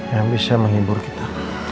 yang bisa menghibur kita